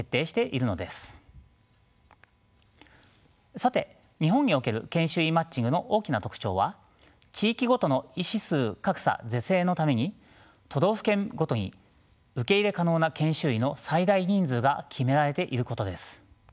さて日本における研修医マッチングの大きな特徴は地域ごとの医師数格差是正のために都道府県ごとに受け入れ可能な研修医の最大人数が決められていることです。